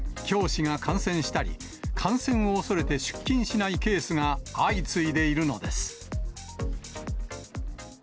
教師が感染したり、感染を恐れて出勤しないケースが相次いでいるのです。